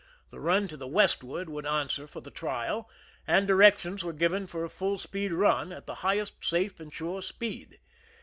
The run to the westward would answer for the trial, and directions were given for a full speed run, at the highest safe and sure speed.